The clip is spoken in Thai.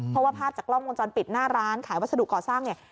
เพราะว่าภาพจากกล้องวงจรปิดหน้าร้านขายวัสดุก่อสร้างเนี่ย